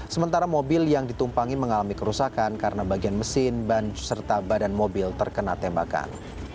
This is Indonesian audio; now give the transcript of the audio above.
sementara mobil yang ditumpangi mengalami kerusakan karena bagian mesin ban serta badan mobil terkena tembakan